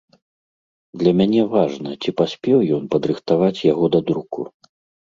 Для мяне важна, ці паспеў ён падрыхтаваць яго да друку.